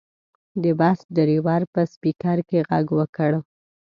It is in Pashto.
د بس ډریور په سپیکر کې غږ وکړ.